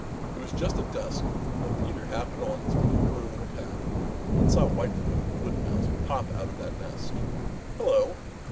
It was just at dusk that Peter happened along this particular little path and saw Whitefoot the Wood Mouse pop out of that nest. "Hello!"